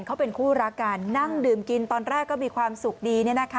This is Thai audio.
เขาเป็นคู่รักกันนั่งดื่มกินตอนแรกก็มีความสุขดี